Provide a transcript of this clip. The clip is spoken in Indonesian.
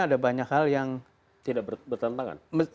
ada banyak hal yang tidak bertentangan